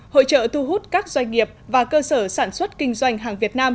hội trợ thu hút các doanh nghiệp và cơ sở sản xuất kinh doanh hàng việt nam